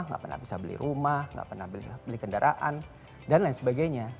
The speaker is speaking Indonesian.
nggak pernah bisa beli rumah nggak pernah beli kendaraan dan lain sebagainya